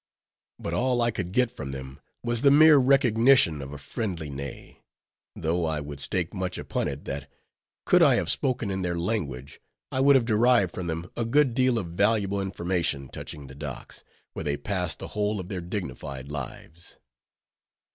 But all I could get from them was the mere recognition of a friendly neigh; though I would stake much upon it that, could I have spoken in their language, I would have derived from them a good deal of valuable information touching the docks, where they passed the whole of their dignified lives.